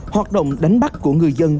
hoạt động đánh bắt của ngư dân